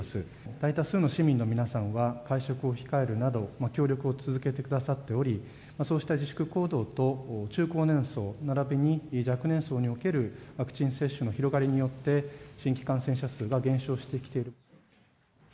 大多数の市民の皆さんは、会食を控えるなど、協力を続けてくださっており、そうした自粛行動と中高年層並びに若年層におけるワクチン接種の広がりによって、一方で。